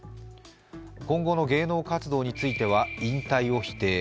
今後の芸能活動については、引退を否定。